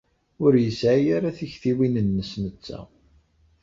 Ur yesɛi ara tiktiwin-nnes netta.